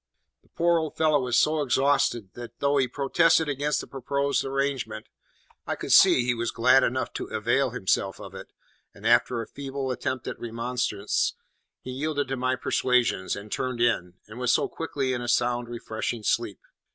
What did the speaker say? The poor old fellow was so exhausted that, though he protested against the proposed arrangement, I could see he was glad enough to avail himself of it; and after a feeble attempt at remonstrance, he yielded to my persuasions, and turned in, and was quickly in a sound refreshing sleep.